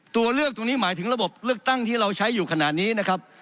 ตัวเลือกตรงนี้หมายถึงระบบเลือกตั้งที่เราใช้อยู่ขนาดนี้นะครับ